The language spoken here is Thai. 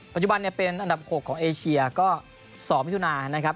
ปัจจุบันเนี่ยเป็นอันดับ๖ของเอเชียก็๒มิถุนานะครับ